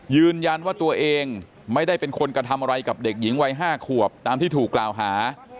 ยืนยันว่าตัวเองไม่ได้เป็นคนกระทำอะไรกับเด็กหญิงวัย๕ขวบตามที่ถูกกล่าวหา